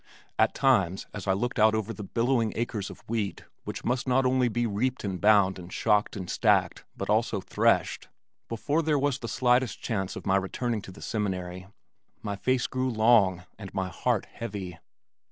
At times, as I looked out over the billowing acres of wheat which must not only be reaped and bound and shocked and stacked but also threshed, before there was the slightest chance of my returning to the Seminary, my face grew long and my heart heavy.